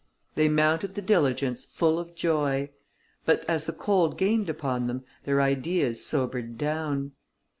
They mounted the diligence full of joy; but as the cold gained upon them, their ideas sobered down.